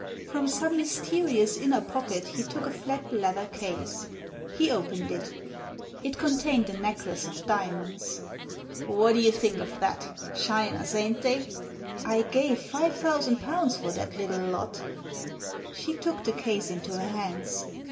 From some mysterious inner pocket he took a flat leather case. He opened it It contained a necklace of diamonds. * What do you think of that? Shiners, ain't they? I gave five thousand pounds for that little lot." She took the case into her hands.